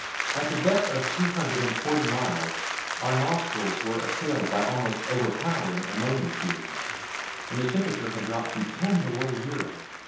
At the depth of two hundred and forty miles our nostrils were assailed by almost overpowering ammonia fumes, and the temperature had dropped to TEN BELOW ZERO!